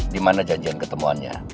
dimana janjian ketemuannya